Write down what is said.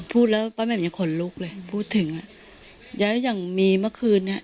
พูดแล้วป้าแหม่มยังขนลุกเลยพูดถึงอ่ะแล้วอย่างมีเมื่อคืนเนี้ย